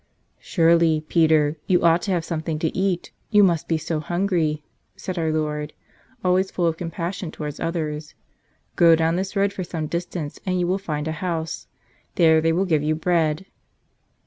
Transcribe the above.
"Surely, Peter; you ought to have something to eat — you must be so hungry," said Our Lord, always full of compassion towards others. "Go down this road for some distance and you will find a house. There they will give you bread."